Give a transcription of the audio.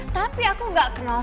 saya akan cari